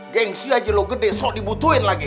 gengsi aja lo gede sok dibutuhin lagi